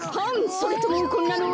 それともこんなのは？